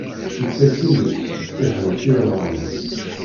Ittak iles, iḥerref iḍaṛṛen.